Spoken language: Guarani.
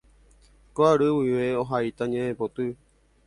Ko ary guive ohaíta ñe'ẽpoty.